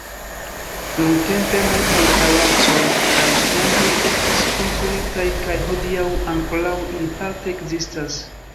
Nuntempe multaj palacoj kaj temploj estis konstruitaj, kaj hodiaŭ ankoraŭ ili parte ekzistas.